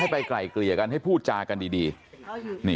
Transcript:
ไปไกลเกลี่ยกันให้พูดจากันดี